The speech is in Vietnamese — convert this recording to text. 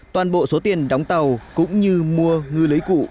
toàn bộ số tiền đóng tàu cũng như mua ngư lưới cụ